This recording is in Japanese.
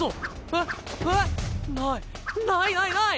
えっ？えっ？ないないないない！